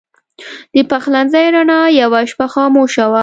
د پخلنځي رڼا یوه شپه خاموشه وه.